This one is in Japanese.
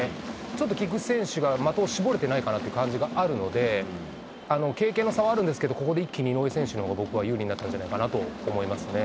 ちょっと菊池選手が的を絞れてないという感じがあるので、経験の差はあるんですけど、ここで一気に井上選手のほうが、僕は有利になったんじゃないかなと思いますね。